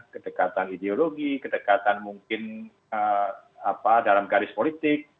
kedekatan ideologi kedekatan mungkin dalam garis politik